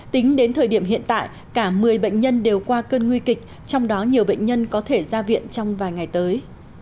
tính đến thời điểm hiện tại cả một mươi bệnh nhân đều qua cơn nguy kịch trong đó nhiều bệnh nhân có thể ra viện trong vài ngày tới